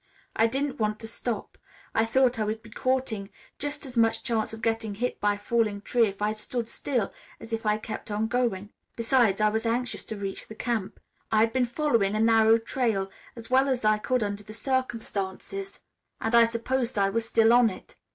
I didn't want to stop. I thought I would be courting just as much chance of getting hit by a falling tree if I stood still as if I kept on going. Besides I was anxious to reach the camp. I had been following a narrow trail, as well as I could under the circumstances, and I supposed I was still on it.